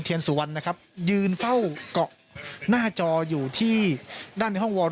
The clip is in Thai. สุวรรณนะครับยืนเฝ้าเกาะหน้าจออยู่ที่ด้านในห้องวอล